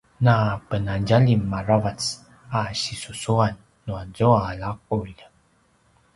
napenadjalim aravac a sisusuan nuazua laqulj